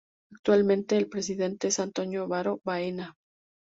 Actualmente el presidente es Antonio Varo Baena.